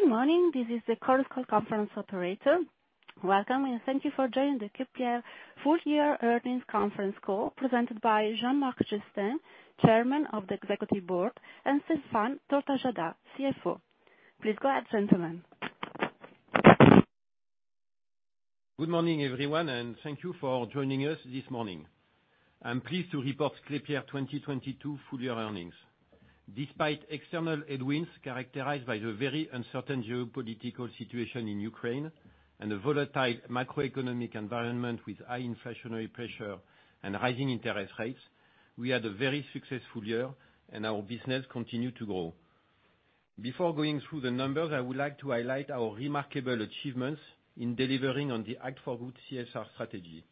Good morning. This is the Chorus Call conference operator. Welcome, and thank you for joining the Klépierre Full Year Earnings Conference Call presented by Jean-Marc Jestin, Chairman of the Executive Board, and Stéphane Tortajada, CFO. Please go ahead, gentlemen. Good morning, everyone, thank you for joining us this morning. I'm pleased to report Klépierre 2022 full year earnings. Despite external headwinds characterized by the very uncertain geopolitical situation in Ukraine and the volatile macroeconomic environment with high inflationary pressure and rising interest rates, we had a very successful year, and our business continued to grow. Before going through the numbers, I would like to highlight our remarkable achievements in delivering on the Act for Good CSR strategy.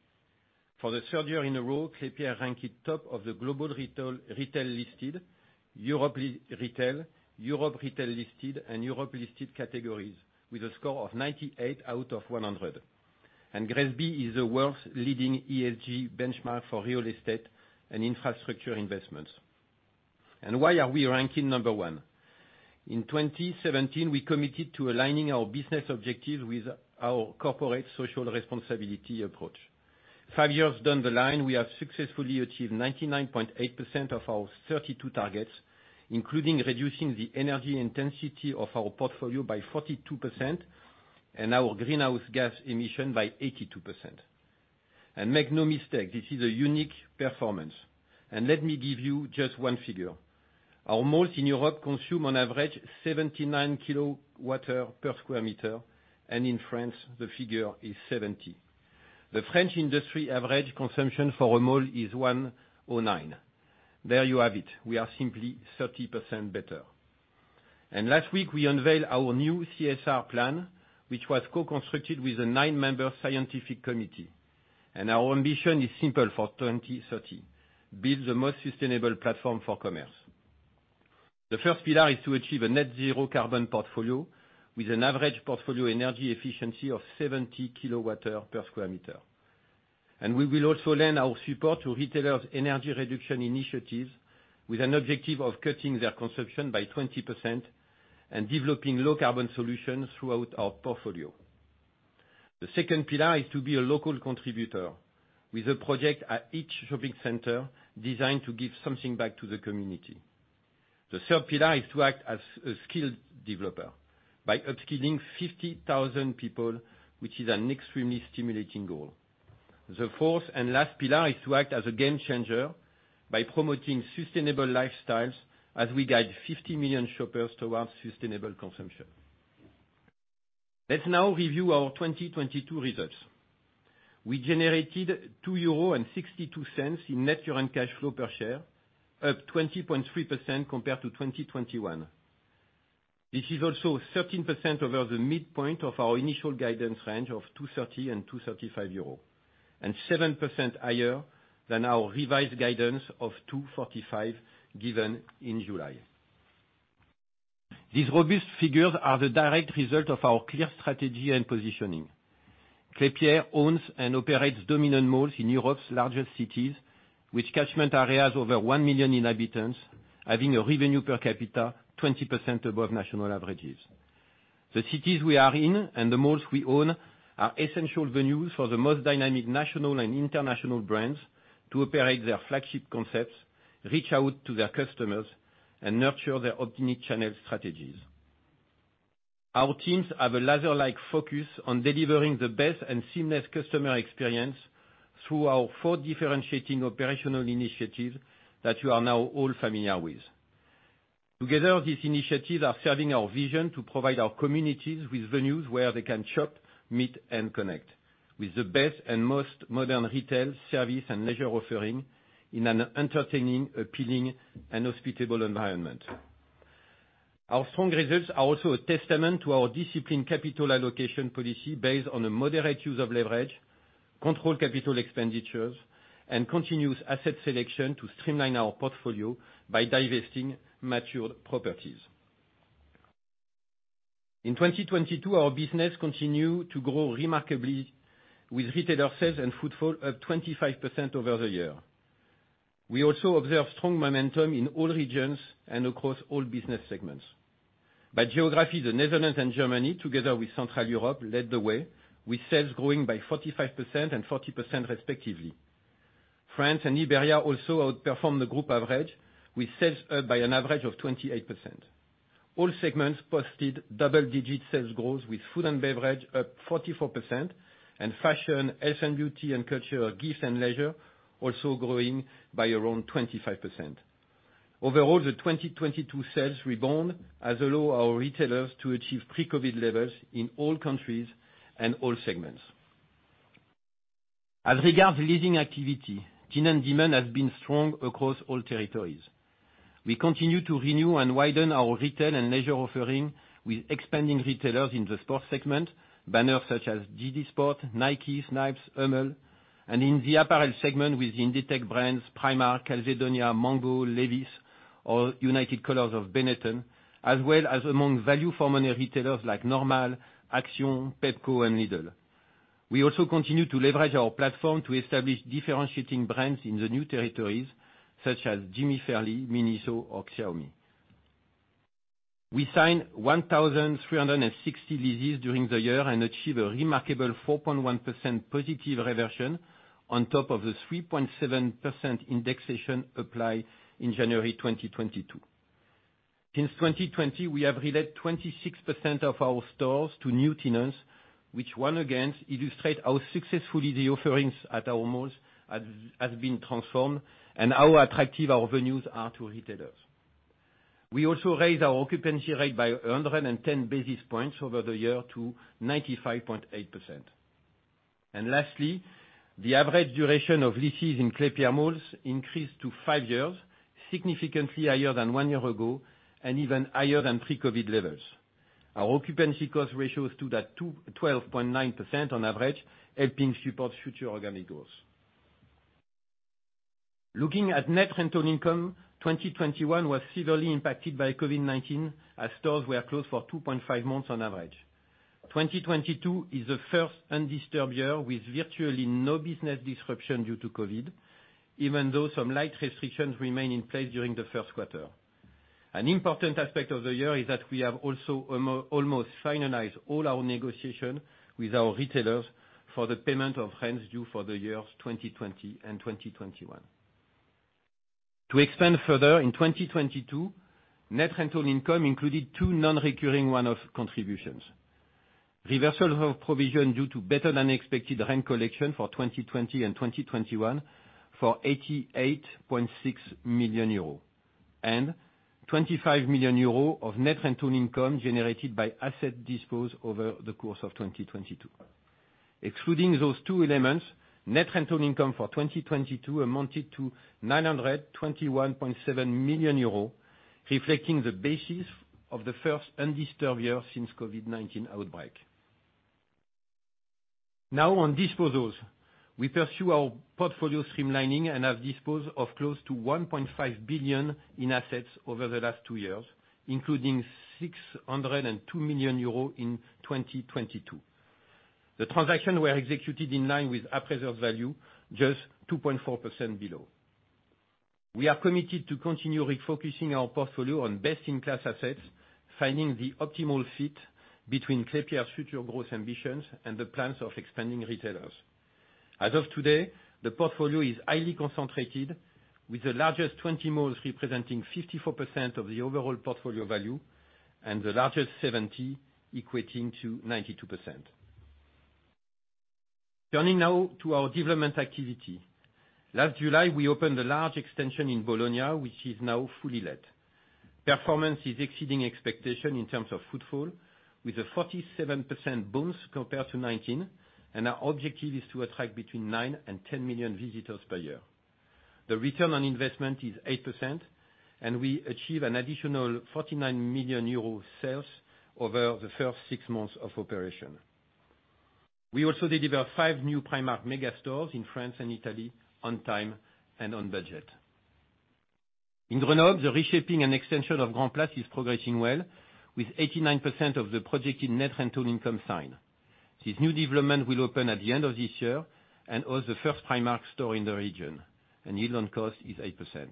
For the third year in a row, Klépierre ranked top of the global retail listed, Europe re-retail, Europe retail listed and Europe listed categories with a score of 98 out of 100. GRESB is the world's leading ESG benchmark for real estate and infrastructure investments. Why are we ranking number one? In 2017, we committed to aligning our business objectives with our corporate social responsibility approach. Five years down the line, we have successfully achieved 99.8% of our 32 targets, including reducing the energy intensity of our portfolio by 42% and our greenhouse gas emission by 82%. Make no mistake, this is a unique performance. Let me give you just one figure. Our malls in Europe consume on average 79 kW/m2, and in France, the figure is 70. The French industry average consumption for a mall is 109. There you have it. We are simply 30% better. Last week, we unveiled our new CSR plan, which was co-constructed with a nine-member scientific committee. Our ambition is simple for 2030, build the most sustainable platform for commerce. The first pillar is to achieve a net zero carbon portfolio with an average portfolio energy efficiency of 70 kW/m2. We will also lend our support to retailers' energy reduction initiatives with an objective of cutting their consumption by 20% and developing low carbon solutions throughout our portfolio. The second pillar is to be a local contributor with a project at each shopping center designed to give something back to the community. The third pillar is to act as a skilled developer by upskilling 50,000 people, which is an extremely stimulating goal. The fourth and last pillar is to act as a game changer by promoting sustainable lifestyles as we guide 50 million shoppers towards sustainable consumption. Let's now review our 2022 results. We generated 2.62 euro in Net Current Cash Flow per share, up 20.3% compared to 2021. This is also 13% over the midpoint of our initial guidance range of 230-235 euros and 7% higher than our revised guidance of 245 given in July. These robust figures are the direct result of our clear strategy and positioning. Klépierre owns and operates dominant malls in Europe's largest cities, with catchment areas over 1 million inhabitants, having a revenue per capita 20% above national averages. The cities we are in and the malls we own are essential venues for the most dynamic national and international brands to operate their flagship concepts, reach out to their customers and nurture their omni-channel strategies. Our teams have a laser-like focus on delivering the best and seamless customer experience through our four differentiating operational initiatives that you are now all familiar with. Together, these initiatives are serving our vision to provide our communities with venues where they can shop, meet, and connect with the best and most modern retail, service, and leisure offering in an entertaining, appealing, and hospitable environment. Our strong results are also a testament to our disciplined capital allocation policy based on a moderate use of leverage, controlled capital expenditures, and continuous asset selection to streamline our portfolio by divesting mature properties. In 2022, our business continued to grow remarkably with retailer sales and footfall up 25% over the year. We also observed strong momentum in all regions and across all business segments. By geography, the Netherlands and Germany, together with Central Europe, led the way with sales growing by 45% and 40% respectively. France and Iberia also outperformed the group average, with sales up by an average of 28%. All segments posted double-digit sales growth, with food and beverage up 44% and fashion, health and beauty and culture, gift and leisure also growing by around 25%. Overall, the 2022 sales rebound has allowed our retailers to achieve pre-COVID levels in all countries and all segments. As regards leasing activity, tenant demand has been strong across all territories. We continue to renew and widen our retail and leisure offering with expanding retailers in the sports segment, banners such as JD Sports, Nike, Snipes, Umbro, and in the apparel segment with Inditex brands, Primark, Calzedonia, Mango, Levi's or United Colors of Benetton, as well as among value for money retailers like Normal, Action, Pepco and Lidl. We also continue to leverage our platform to establish differentiating brands in the new territories such as Jimmy Fairly, Miniso or Xiaomi. We signed 1,360 leases during the year and achieve a remarkable 4.1% positive reversion on top of the 3.7% indexation applied in January 2022. Since 2020, we have relet 26% of our stores to new tenants, which once again illustrate how successfully the offerings at our malls has been transformed and how attractive our venues are to retailers. We also raised our occupancy rate by 110 basis points over the year to 95.8%. Lastly, the average duration of leases in Klépierre malls increased to five years, significantly higher than one year ago and even higher than pre-COVID levels. Our Occupancy Cost Ratios stood at 12.9% on average, helping support future organic growth. Looking at Net Rental Income, 2021 was severely impacted by COVID-19 as stores were closed for 2.5 months on average. 2022 is the first undisturbed year with virtually no business disruption due to COVID, even though some light restrictions remain in place during the first quarter. An important aspect of the year is that we have also almost finalized all our negotiation with our retailers for the payment of rents due for the years 2020 and 2021. To expand further, in 2022, Net Rental Income included two non-recurring one-off contributions. Reversal of provision due to better than expected rent collection for 2020 and 2021 for 88.6 million euro and 25 million euro of Net Rental Income generated by asset disposed over the course of 2022. Excluding those two elements, Net Rental Income for 2022 amounted to 921.7 million euro, reflecting the basis of the first undisturbed year since COVID-19 outbreak. On disposals. We pursue our portfolio streamlining and have disposed of close to 1.5 billion in assets over the last two years, including 602 million euros in 2022. The transaction were executed in line with our preserved value, just 2.4% below. We are committed to continue refocusing our portfolio on best-in-class assets, finding the optimal fit between Klépierre's future growth ambitions and the plans of expanding retailers. As of today, the portfolio is highly concentrated, with the largest 20 malls representing 54% of the overall portfolio value and the largest 70 equating to 92%. Turning now to our development activity. Last July, we opened a large extension in Bologna, which is now fully let. Performance is exceeding expectation in terms of footfall, with a 47% boost compared to 2019. Our objective is to attract between 9 and 10 million visitors per year. The ROI is 8%. We achieve an additional 49 million euro sales over the first six months of operation. We also delivered five new Primark mega stores in France and Italy on time and on budget. In Grenoble, the reshaping and extension of Grand'Place is progressing well, with 89% of the project in Net Rental Income signed. This new development will open at the end of this year and house the first Primark store in the region. Yield on cost is 8%.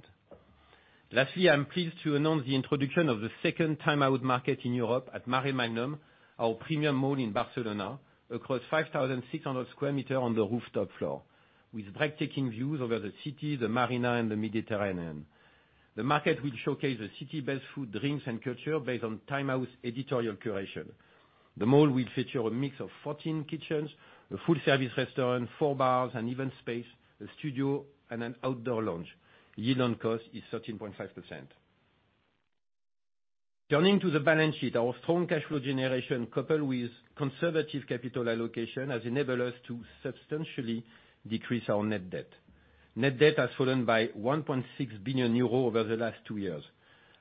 Lastly, I'm pleased to announce the introduction of the second Time Out Market in Europe at Maremagnum, our premium mall in Barcelona, across 5,600 sq m on the rooftop floor, with breathtaking views over the city, the marina and the Mediterranean. The market will showcase the city's best food, drinks and culture based on Time Out editorial curation. The mall will feature a mix of 14 kitchens, a full-service restaurant, four bars, an event space, a studio, and an outdoor lounge. Yield on cost is 13.5%. Turning to the balance sheet, our strong cash flow generation, coupled with conservative capital allocation, has enabled us to substantially decrease our net debt. Net debt has fallen by 1.6 billion euros over the last two years.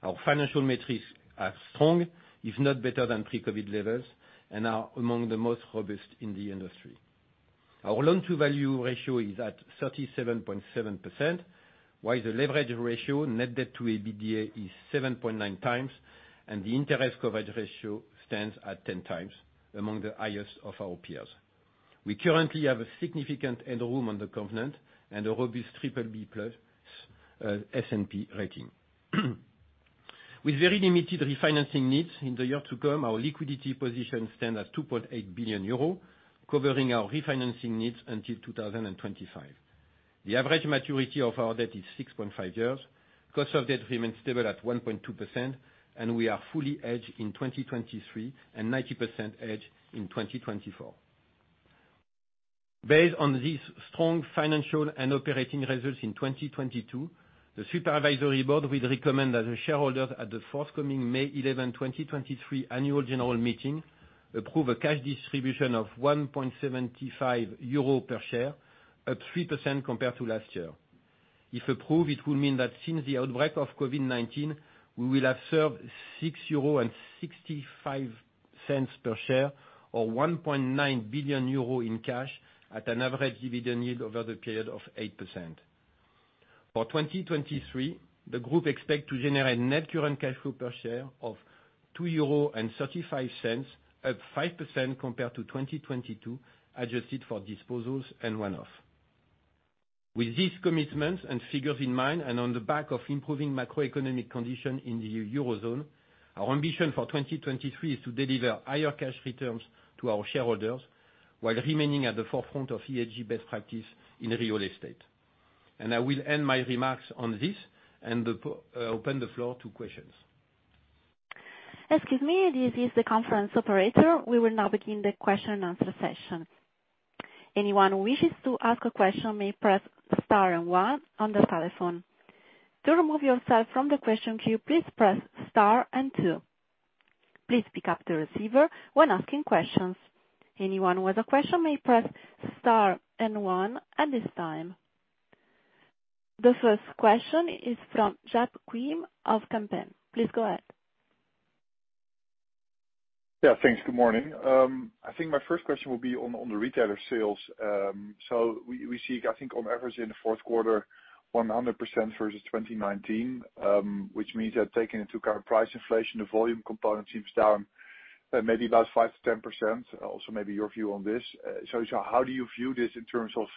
Our financial metrics are strong, if not better than pre-COVID levels, and are among the most robust in the industry. Our loan-to-value ratio is at 37.7%, while the leverage ratio, net debt to EBITDA, is 7.9x, and the interest coverage ratio stands at 10x, among the highest of our peers. We currently have a significant headroom on the covenant and a robust BBB+ S&P rating. With very limited refinancing needs in the year to come, our liquidity position stand at 2.8 billion euro, covering our refinancing needs until 2025. The average maturity of our debt is 6.5 years. Cost of debt remains stable at 1.2%, and we are fully hedged in 2023 and 90% hedged in 2024. Based on these strong financial and operating results in 2022, the supervisory board will recommend that the shareholders at the forthcoming May 11, 2023 annual general meeting approve a cash distribution of 1.75 euro per share, up 3% compared to last year. If approved, it will mean that since the outbreak of COVID-19, we will have served 6.65 euro per share or 1.9 billion euro in cash at an average dividend yield over the period of 8%. For 2023, the group expect to generate Net Current Cash Flow per share of 2.35 euro, up 5% compared to 2022, adjusted for disposals and one-off. With these commitments and figures in mind, and on the back of improving macroeconomic condition in the Eurozone, our ambition for 2023 is to deliver higher cash returns to our shareholders while remaining at the forefront of ESG best practice in real estate. I will end my remarks on this and open the floor to questions. Excuse me, this is the conference operator. We will now begin the question and answer session. Anyone who wishes to ask a question may press star and one on their telephone. To remove yourself from the question queue, please press star and two. Please pick up the receiver when asking questions. Anyone with a question may press star and one at this time. The first question is from Jaap Kuin of Kempen. Please go ahead. Yeah, thanks. Good morning. I think my first question will be on the retailer sales. We see, I think on average in the fourth quarter, 100% versus 2019, which means that taking into account price inflation, the volume component seems down, maybe about 5%-10%. Also maybe your view on this. So how do you view this in terms of,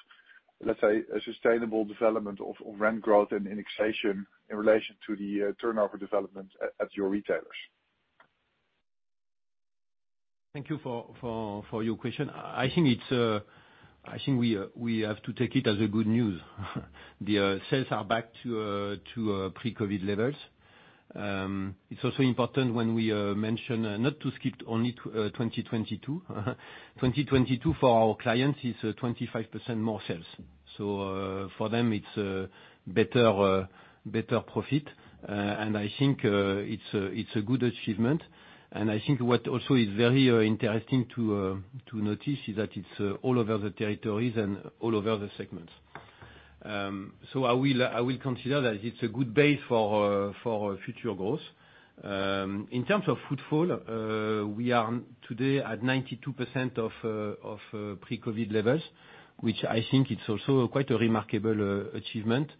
let's say, a sustainable development of rent growth and indexation in relation to the turnover development at your retailers? Thank you for your question. I think we have to take it as a good news. The sales are back to pre-COVID levels. It's also important when we mention, not to skip only 2022. 2022 for our clients is 25% more sales. For them, it's a better profit. I think it's a good achievement. I think what also is very interesting to notice is that it's all over the territories and all over the segments. I will consider that it's a good base for our future growth. In terms of footfall, we are today at 92% of pre-COVID levels, which I think it's also quite a remarkable achievement.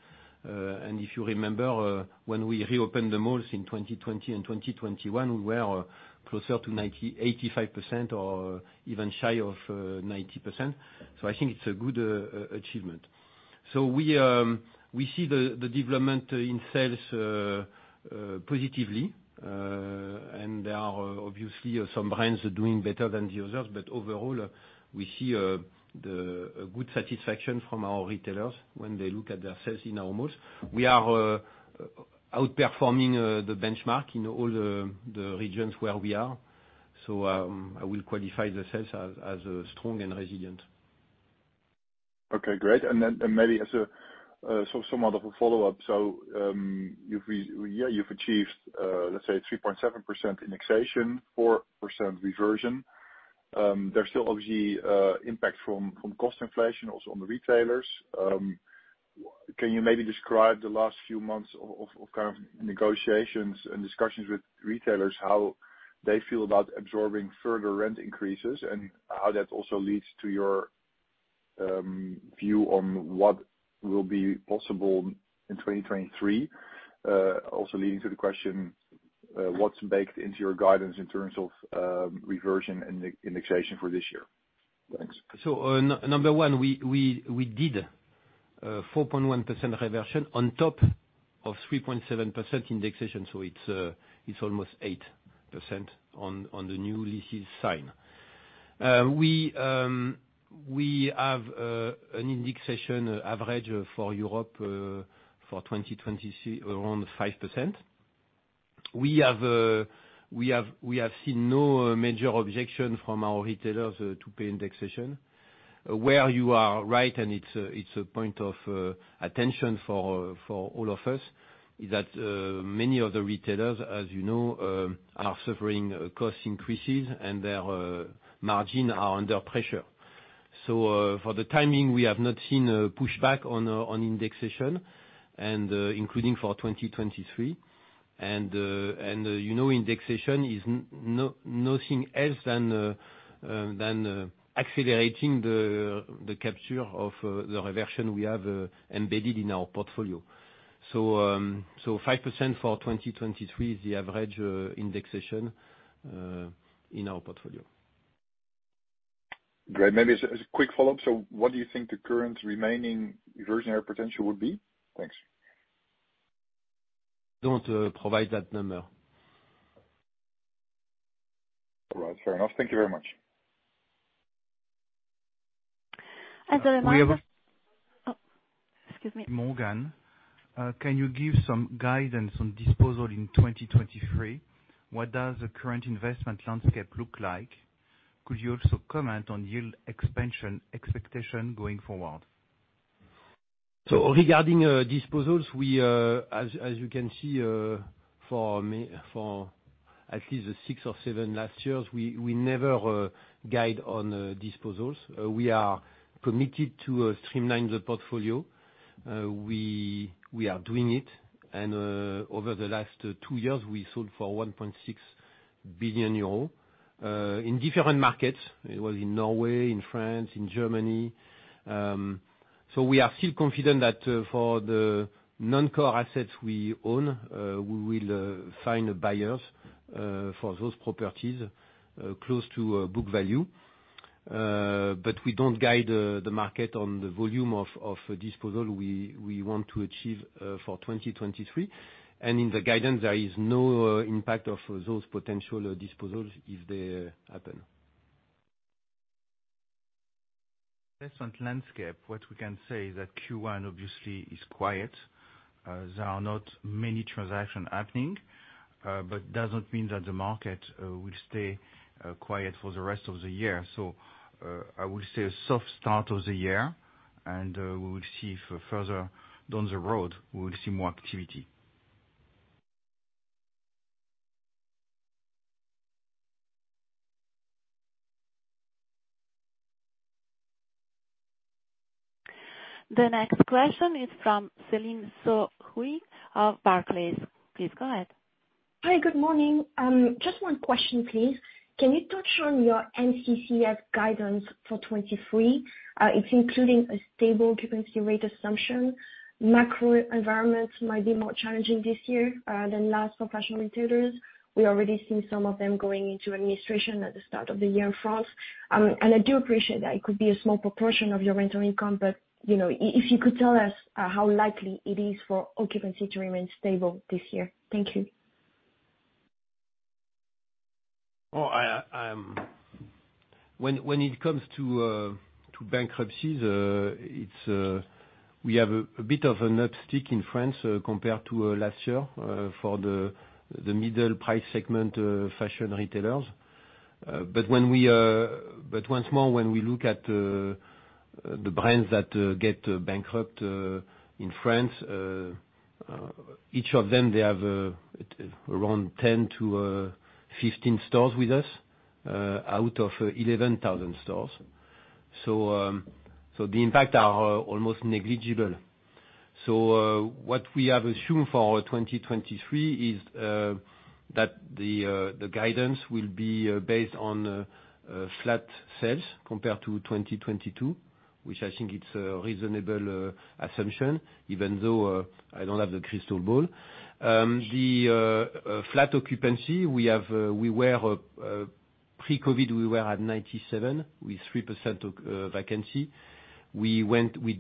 And if you remember, when we reopened the malls in 2020 and 2021, we were closer to 90%, 85% or even shy of 90%. I think it's a good achievement. We see the development in sales positively. And there are obviously some brands are doing better than the others, but overall, we see a good satisfaction from our retailers when they look at their sales in our malls. We are outperforming the benchmark in all the regions where we are. I will qualify the sales as strong and resilient. Okay, great. Maybe as a somewhat of a follow-up. You've achieved, let's say 3.7% indexation, 4% reversion. There's still obviously impact from cost inflation also on the retailers. Can you maybe describe the last few months of kind of negotiations and discussions with retailers, how they feel about absorbing further rent increases and how that also leads to your view on what will be possible in 2023? Also leading to the question, what's baked into your guidance in terms of reversion indexation for this year? Thanks. Number one, we did 4.1% reversion on top of 3.7% indexation. It's almost 8% on the new leases signed. We have an indexation average for Europe for 2023 around 5%. We have seen no major objection from our retailers to pay indexation. Where you are right, and it's a point of attention for all of us, is that many of the retailers, as you know, are suffering cost increases and their margin are under pressure. For the timing, we have not seen a pushback on indexation and including for 2023. You know, indexation is nothing else than accelerating the capture of the reversion we have embedded in our portfolio. So 5% for 2023 is the average indexation in our portfolio. Great. Maybe as a quick follow-up. What do you think the current remaining reversionary potential would be? Thanks. Don't provide that number. All right, fair enough. Thank you very much. As a reminder- We have. Oh, excuse me. Can you give some guidance on disposal in 2023? What does the current investment landscape look like? Could you also comment on yield expansion expectation going forward? Regarding disposals, we as you can see for at least the six or seven last years, we never guide on disposals. We are committed to streamline the portfolio. We are doing it. Over the last two years, we sold for 1.6 billion euros in different markets. It was in Norway, in France, in Germany. We are still confident that for the non-core assets we own, we will find buyers for those properties close to book value. We don't guide the market on the volume of disposal we want to achieve for 2023. In the guidance, there is no impact of those potential disposals if they happen. Investment landscape, what we can say is that Q1 obviously is quiet. There are not many transaction happening, but doesn't mean that the market will stay quiet for the rest of the year. I will say a soft start of the year, we will see if further down the road we will see more activity. The next question is from Céline Soo-Huynh of Barclays. Please go ahead. Hi, good morning. Just one question please. Can you touch on your NCCF guidance for 2023? It's including a stable occupancy rate assumption. Macro environment might be more challenging this year, than last for fashion retailers. We already see some of them going into administration at the start of the year in France. I do appreciate that it could be a small proportion of your rental income, but, you know, if you could tell us, how likely it is for occupancy to remain stable this year. Thank you. When it comes to bankruptcies, we have a bit of an upstick in France compared to last year for the middle price segment fashion retailers. But once more when we look at the brands that get bankrupt in France, each of them, they have around 10 to 15 stores with us out of 11,000 stores. So the impact are almost negligible. So what we have assumed for 2023 is that the guidance will be based on flat sales compared to 2022, which I think it's a reasonable assumption, even though I don't have the crystal ball The flat occupancy, we have, we were pre-COVID we were at 97 with 3% vacancy. We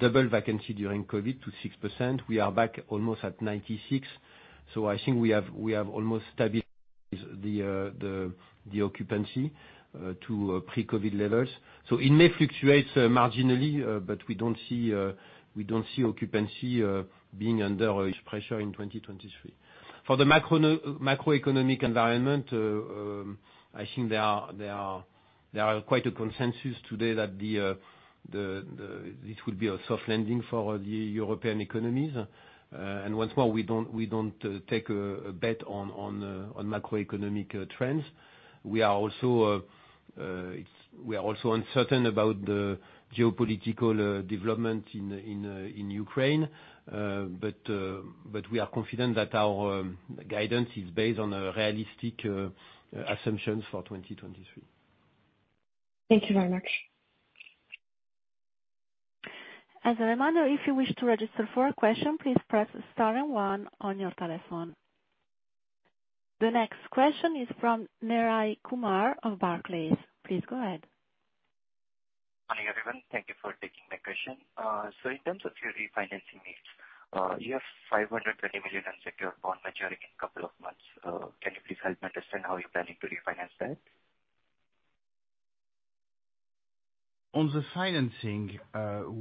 doubled vacancy during COVID to 6%. We are back almost at 96, I think we have almost stabilized the occupancy to pre-COVID levels. It may fluctuates marginally, but we don't see occupancy being under each pressure in 2023. For the macroeconomic environment, I think there are quite a consensus today that the, this will be a soft landing for the European economies. Once more, we don't take a bet on macroeconomic trends. We are also uncertain about the geopolitical development in Ukraine. We are confident that our guidance is based on a realistic assumptions for 2023. Thank you very much. As a reminder, if you wish to register for a question, please press star and one on your telephone. The next question is from Miraj Kumar of Barclays. Please go ahead. Morning, everyone. Thank you for taking my question. In terms of your refinancing needs, you have 520 million unsecured bond maturing in a couple of months. Can you please help me understand how you're planning to refinance that? On the financing,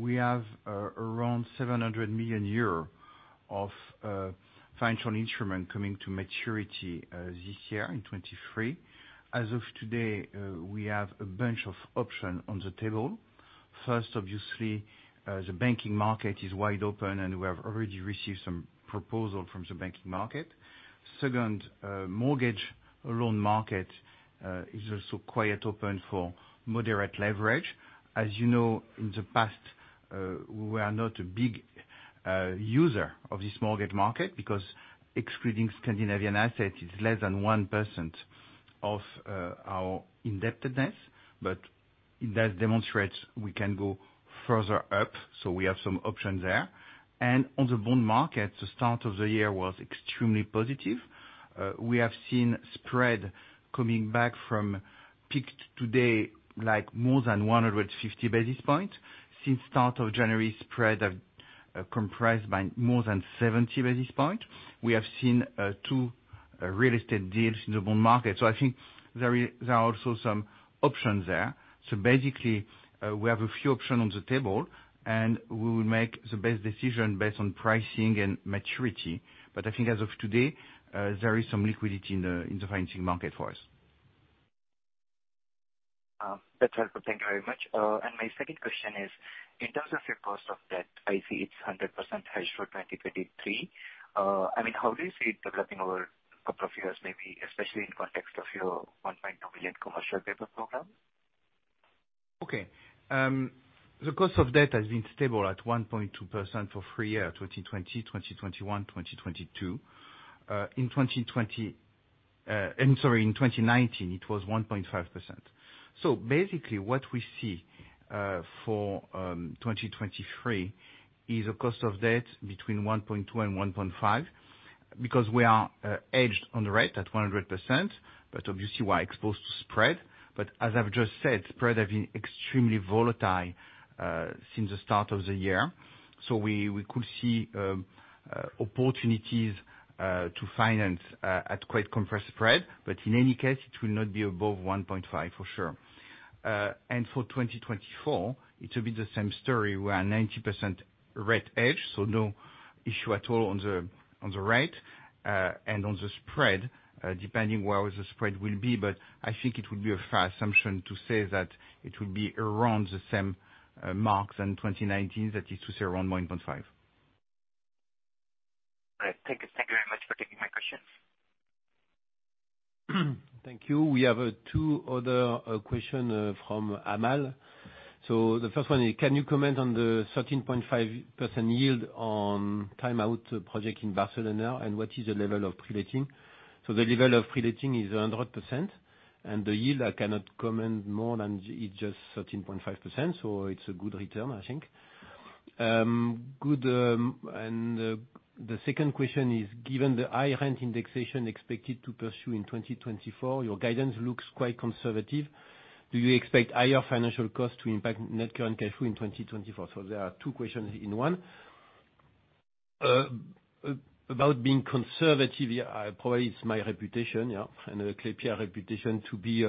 we have around 700 million euros of financial instrument coming to maturity this year in 2023. As of today, we have a bunch of options on the table. First, obviously, the banking market is wide open, and we have already received some proposal from the banking market. Second, mortgage loan market is also quite open for moderate leverage. As you know, in the past, we were not a big user of this mortgage market because excluding Scandinavian assets, it's less than 1% of our indebtedness, but that demonstrates we can go further up, so we have some options there. On the bond market, the start of the year was extremely positive. We have seen spread coming back from peaked today, like more than 150 basis points. Since start of January, spread have comprised by more than 70 basis point. We have seen two real estate deals in the bond market. I think there are also some options there. Basically, we have a few options on the table, and we will make the best decision based on pricing and maturity. I think as of today, there is some liquidity in the financing market for us. That's helpful. Thank you very much. My second question is, in terms of your cost of debt, I see it's 100% hedged for 2023. How do you see it developing over a couple of years, maybe especially in context of your 1.2 billion commercial paper program? The cost of debt has been stable at 1.2% for three years, 2020, 2021, 2022. In 2019, it was 1.5%. Basically, what we see for 2023 is a cost of debt between 1.2% and 1.5% because we are edged on the rate at 100%, but obviously we are exposed to spread. As I've just said, spread have been extremely volatile since the start of the year. We could see opportunities to finance at quite compressed spread. In any case, it will not be above 1.5% for sure. For 2024, it will be the same story, where 90% rate edge, so no issue at all on the, on the rate, and on the spread, depending where the spread will be, I think it would be a fair assumption to say that it will be around the same marks in 2019, that is to say around 1.5. All right. Thank you. Thank you very much for taking my questions. Thank you. We have two other question from Amal. The first one is, can you comment on the 13.5% yield on Time Out Market project in Barcelona? What is the level of preletting? The level of preletting is 100%, and the yield, I cannot comment more than it's just 13.5%, so it's a good return, I think. Good, the second question is, given the high rent indexation expected to pursue in 2024, your guidance looks quite conservative. Do you expect higher financial costs to impact Net Current Cash Flow in 2024? There are two questions in one. About being conservative, probably it's my reputation and Klépierre reputation to be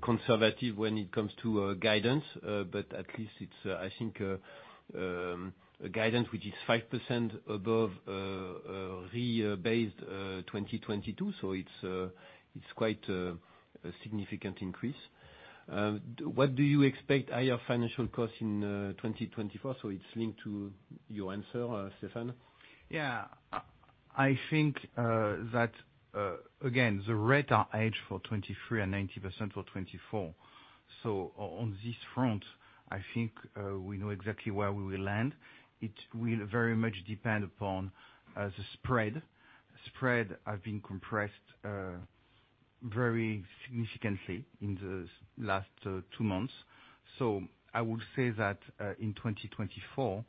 conservative when it comes to guidance. At least it's, I think, a guidance which is 5% above re-based 2022. It's quite a significant increase. What do you expect higher financial costs in 2024? It's linked to your answer, Stéphane. Yeah. I think that again, the rate are aged for 2023 and 90% for 2024. On this front, I think we know exactly where we will land. It will very much depend upon the spread. Spread have been compressed very significantly in the last two months. I would say that in 2024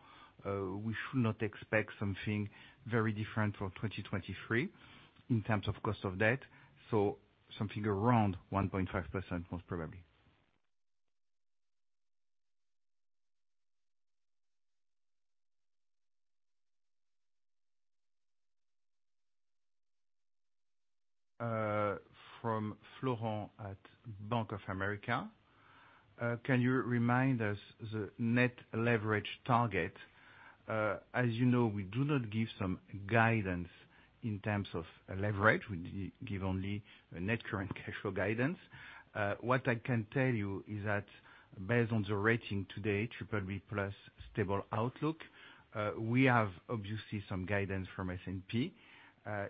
we should not expect something very different for 2023 in terms of cost of debt, something around 1.5%, most probably. From Florent at Bank of America, can you remind us the net leverage target? As you know, we do not give some guidance in terms of leverage. We give only Net Current Cash Flow guidance. What I can tell you is that based on the rating today, BBB+ stable outlook, we have obviously some guidance from S&P.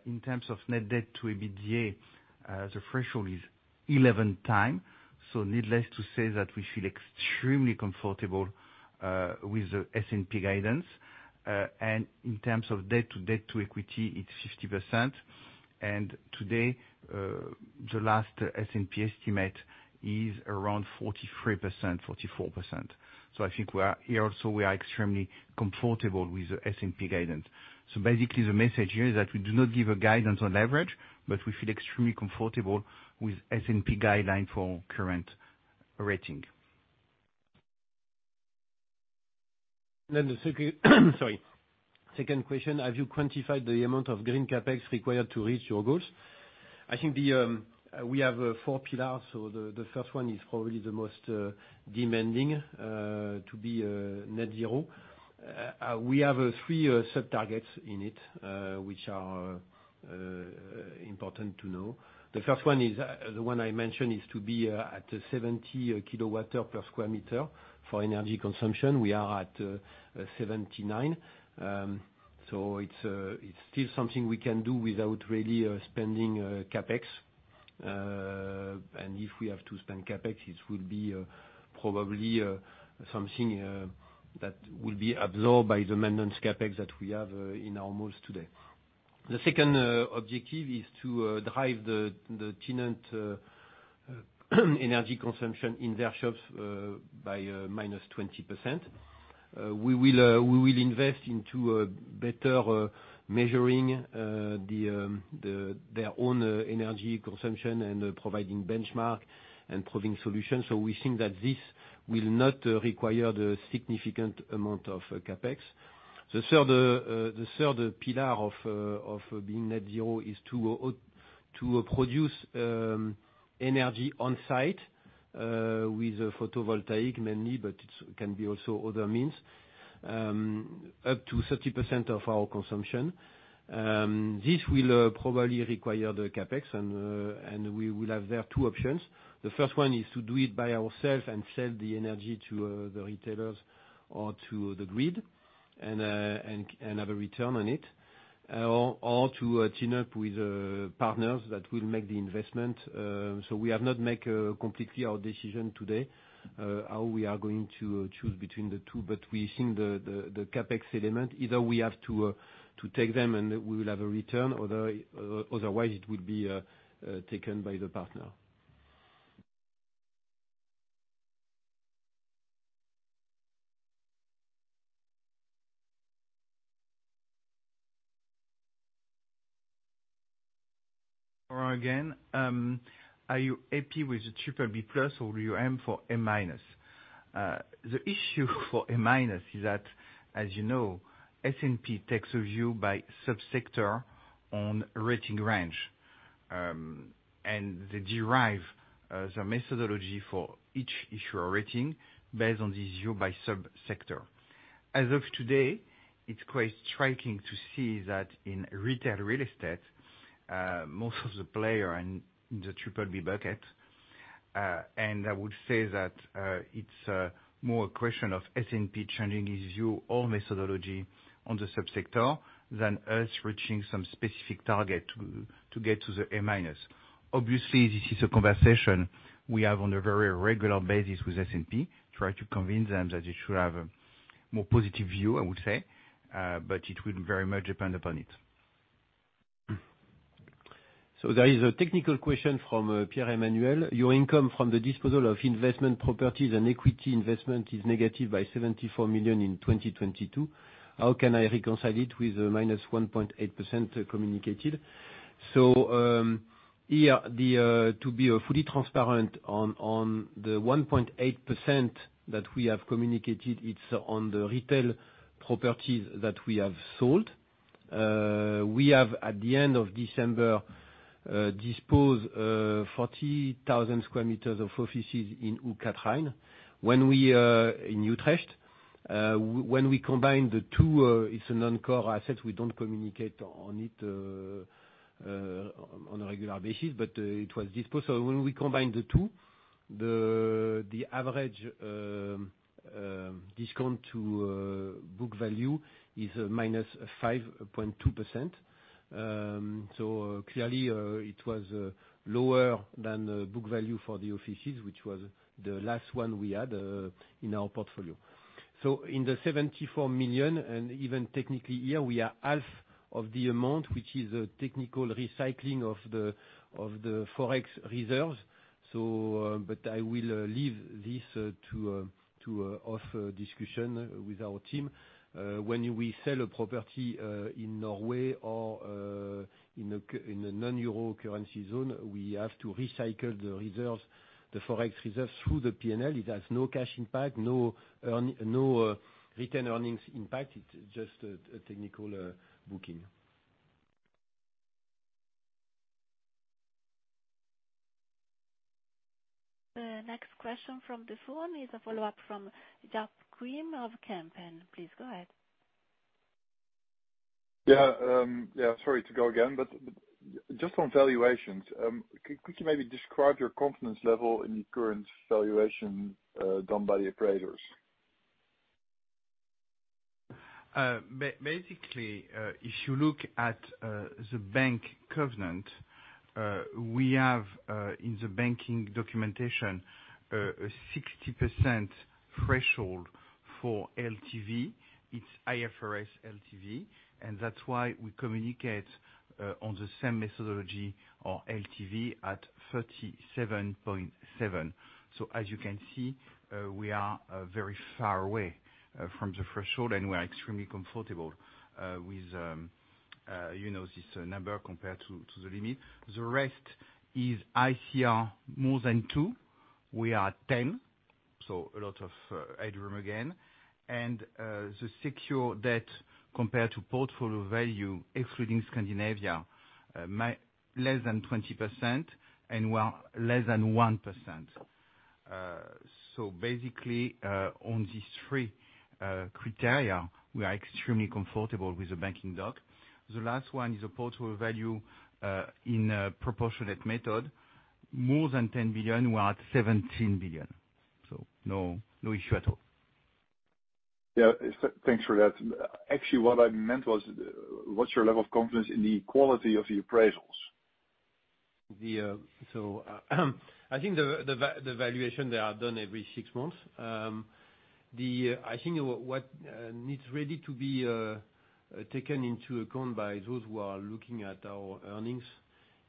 In terms of net debt to EBITDA, the threshold is 11x, needless to say that we feel extremely comfortable with the S&P guidance. In terms of debt to equity, it's 50%. Today, the last S&P estimate is around 43%, 44%. I think here also we are extremely comfortable with the S&P guidance. Basically, the message here is that we do not give a guidance on leverage, but we feel extremely comfortable with S&P guideline for current rating. The second, sorry. Second question, have you quantified the amount of green CapEx required to reach your goals? I think the, we have four pillars. The first one is probably the most demanding to be net zero. We have three sub-targets in it, which are important to know. The first one is, the one I mentioned, is to be at 70 kW/m2 for energy consumption. We are at 79. It's still something we can do without really spending CapEx. If we have to spend CapEx, it will be probably something that will be absorbed by the maintenance CapEx that we have in our malls today. The second objective is to drive the tenant energy consumption in their shops by -20%. We will invest into a better measuring the their own energy consumption and providing benchmark and proving solutions. We think that this will not require the significant amount of CapEx. The third pillar of being net zero is to produce energy on site with photovoltaic mainly, but it can be also other means up to 30% of our consumption. This will probably require the CapEx, and we will have there two options. The first one is to do it by ourselves and sell the energy to the retailers or to the grid and have a return on it or to team up with partners that will make the investment. We have not make completely our decision today how we are going to choose between the two, but we think the CapEx element, either we have to take them and we will have a return, otherwise it will be taken by the partner. Again, are you happy with the BBB+ or you aim for A-? The issue for A- is that, as you know, S&P takes a view by sub-sector on rating range, and they derive the methodology for each issuer rating based on the view by sub-sector. As of today, it's quite striking to see that in retail real estate, most of the player are in the triple B bucket. I would say that it's more a question of S&P changing its view or methodology on the sub-sector than us reaching some specific target to get to the A-. Obviously, this is a conversation we have on a very regular basis with S&P, try to convince them that it should have a more positive view, I would say. It will very much depend upon it. There is a technical question from Pierre-Emmanuel. Your income from the disposal of investment properties and equity investment is negative by 74 million in 2022. How can I reconcile it with the minus 1.8% communicated? Here to be fully transparent on the 1.8% that we have communicated, it's on the retail properties that we have sold. We have, at the end of December, disposed 40,000 sq m of offices in Yeah. Yeah, sorry to go again, but just on valuations, could you maybe describe your confidence level in the current valuation done by the appraisers? Basically, if you look at the bank covenant, we have in the banking documentation a 60% threshold for LTV. It's IFRS LTV. That's why we communicate on the same methodology or LTV at 37.7. As you can see, we are very far away from the threshold, and we are extremely comfortable with, you know, this number compared to the limit. The rest is ICR more than 2. We are at 10, a lot of headroom again. The secure debt compared to portfolio value, excluding Scandinavia, less than 20% and, well, less than 1%. Basically, on these three criteria, we are extremely comfortable with the banking doc. The last one is a portfolio value in a proportionate method, more than 10 billion, we're at 17 billion. No issue at all. Yeah. Thanks for that. Actually, what I meant was, what's your level of confidence in the quality of the appraisals? I think the valuation, they are done every six months. I think what needs really to be taken into account by those who are looking at our earnings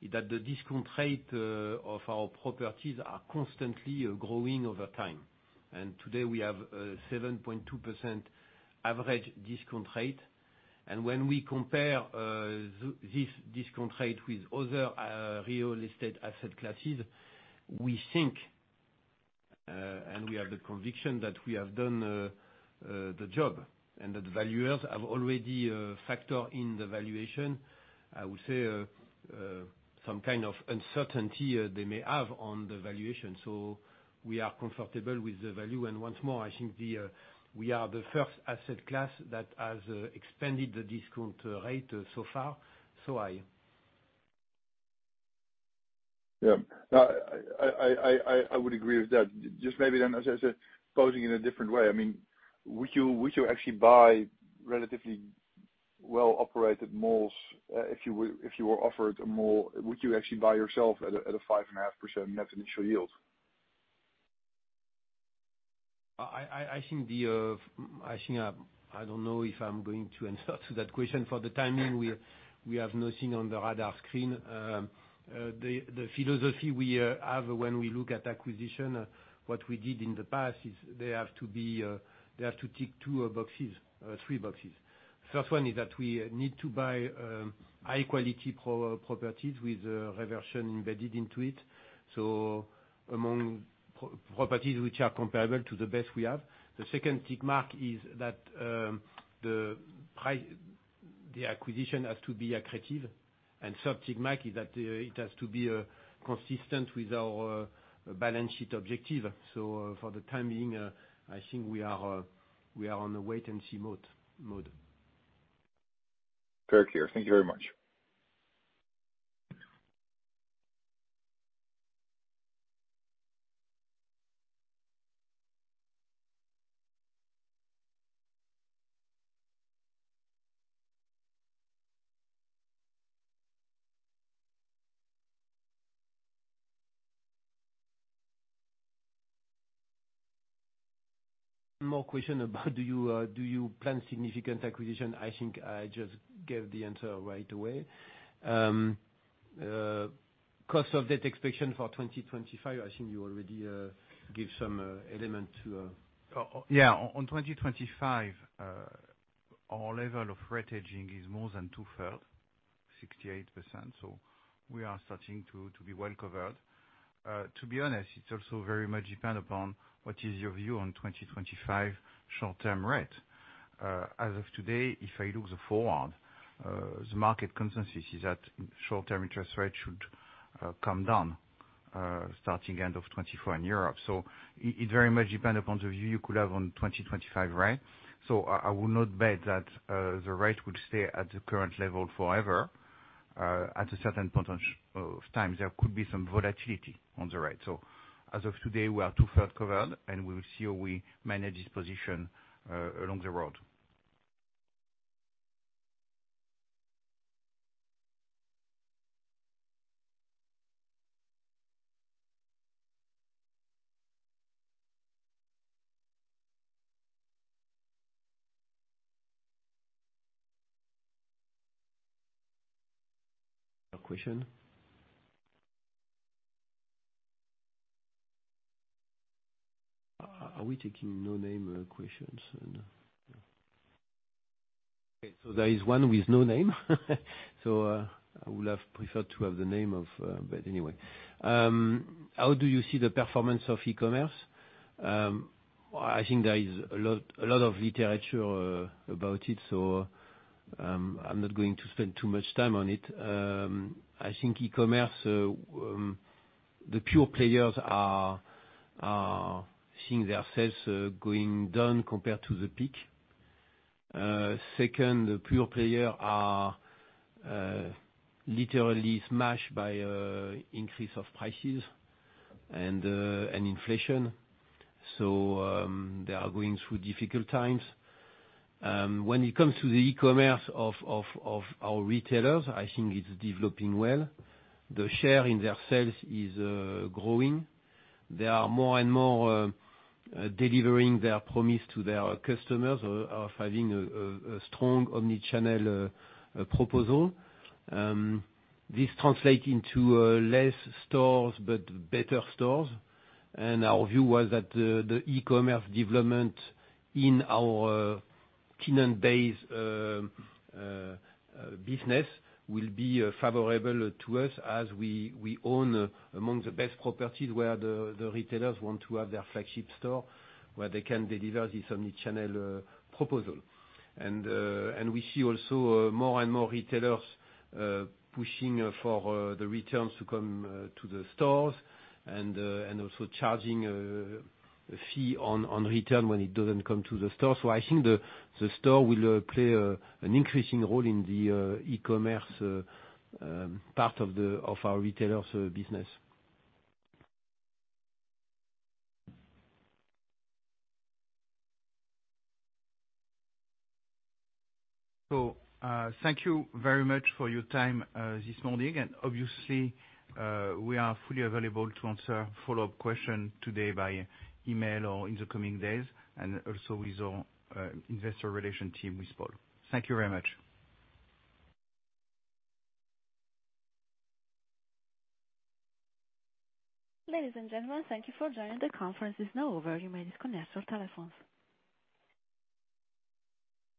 is that the discount rate of our properties are constantly growing over time. Today we have a 7.2% average discount rate, When we compare this discount rate with other real estate asset classes, we think, and we have the conviction that we have done the job and that the valuers have already factored in the valuation, I would say, some kind of uncertainty they may have on the valuation. We are comfortable with the value. Once more, I think the we are the first asset class that has expanded the discount rate so far. Yeah. No, I would agree with that. Just maybe, as I said, posing in a different way. I mean, would you actually buy relatively well-operated malls? If you were offered a mall, would you actually buy yourself at a 5.5% Net Initial Yield? I think the I think I don't know if I'm going to answer to that question for the time being. We have nothing on the radar screen. The philosophy we have when we look at acquisition, what we did in the past is they have to be, they have to tick two boxes, three boxes. First one is that we need to buy high quality pro-properties with a reversion embedded into it, so among pro-properties which are comparable to the best we have. The second tick mark is that the acquisition has to be accretive. Third tick mark is that it has to be consistent with our balance sheet objective. For the time being, I think we are we are on a wait and see mode. Very clear. Thank you very much. More question about do you plan significant acquisition? I think I just gave the answer right away. Cost of that expectation for 2025, I think you already gave some element to. Yeah. On 2025, our level of rate hedging is more than two-thirds, 68%, so we are starting to be well covered. To be honest, it's also very much depend upon what is your view on 2025 short-term rate. As of today, if I look the forward, the market consensus is that short-term interest rate should come down starting end of 2024 in Europe. It very much depend upon the view you could have on 2025 rate. I would not bet that the rate would stay at the current level forever. At a certain point of time, there could be some volatility on the rate. As of today, we are two-third covered, and we will see how we manage this position along the road. A question. Are we taking no name questions? Okay, there is one with no name. I would have preferred to have the name of, but anyway. How do you see the performance of e-commerce? I think there is a lot of literature about it. I'm not going to spend too much time on it. I think e-commerce, the pure players are seeing their sales going down compared to the peak. Second, the pure player are literally smashed by increase of prices and inflation. They are going through difficult times. When it comes to the e-commerce of our retailers, I think it's developing well. The share in their sales is growing. They are more and more delivering their promise to their customers of having a strong omni-channel proposal. This translate into less stores but better stores. Our view was that the e-commerce development in our tenant base business will be favorable to us as we own among the best properties where the retailers want to have their flagship store, where they can deliver this omni-channel proposal. We see also more and more retailers pushing for the returns to come to the stores and also charging a fee on return when it doesn't come to the store. I think the store will play an increasing role in the e-commerce part of our retailers' business. Thank you very much for your time this morning. Obviously, we are fully available to answer follow-up question today by email or in the coming days and also with our investor relation team with Paul. Thank you very much. Ladies and gentlemen, thank you for joining. The conference is now over. You may disconnect your telephones.